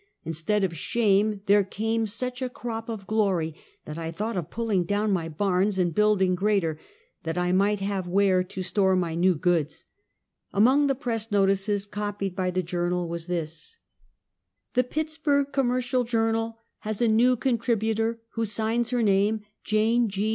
Instead of shame there came sucli a crop of glory that I thought of pulling down my barns and building greater, that I might have where to store my new goods. Among the press notices copied by the Jour nal was this: Teaining School. 97 "The Pittsburg Commercial Journal has a new contributor who signs her name ' Jane G.